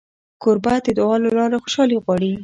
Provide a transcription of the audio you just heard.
کوربه د دعا له لارې خوشالي غواړي.